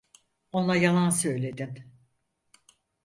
Ona yalan söyledin.